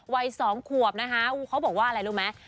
วัย๒ขวบนะคะเขาบอกว่าอะไรรู้ไหม